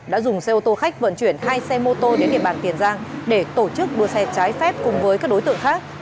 đã dùng xe ô tô khách vận chuyển hai xe mô tô đến địa bàn tiền giang để tổ chức đua xe trái phép cùng với các đối tượng khác